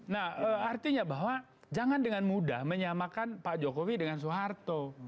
nah artinya bahwa jangan dengan mudah menyamakan pak jokowi dengan soeharto